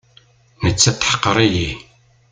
Nettat teḥqer-iyi.